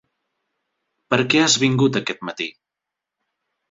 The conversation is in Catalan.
Per què has vingut aquest matí?